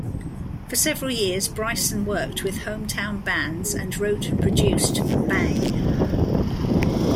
For several years, Bryson worked with hometown bands and wrote and produced for Bang.